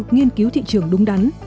nghiên cứu thị trường đúng đắn